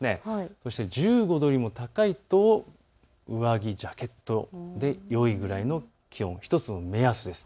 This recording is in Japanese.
そして１５度よりも高いと上着、ジャケットでよいぐらいの気温、１つの目安です。